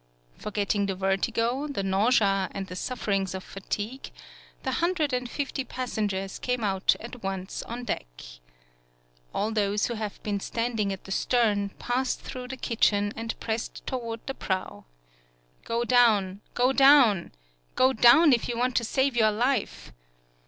Forgetting the vertigo, the nau sea, and the sufferings of fatigue, the hundred and fifty passengers came out at once on deck. All those who have been standing at the stern passed 156 TSUGAEU STRAIT through the kitchen and pressed toward the prow. "Go down! Go down! Go down if you want to save your life!"